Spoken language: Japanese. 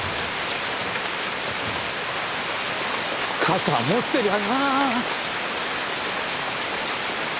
傘持ってりゃな！